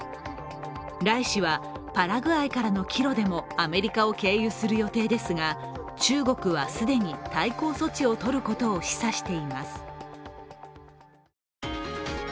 頼氏はパラグアイからの帰路でもアメリカを経由する予定ですが中国は既に対抗措置をとることを示唆しています。